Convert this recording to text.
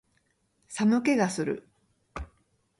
寒気がする